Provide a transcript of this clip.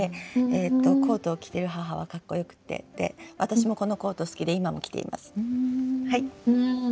コートを着てる母はかっこよくて私もこのコート好きで今も着ています。